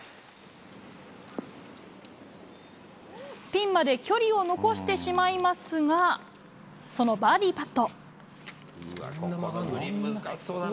ピンまで距離を残してしまいますが、そのバーディーパット。